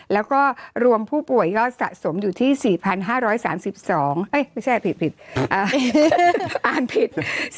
แล้วก็รวมผู้ป่วยยอดสะสมอยู่ที่๔๕๓๒ไม่ใช่ผิดอ่านผิด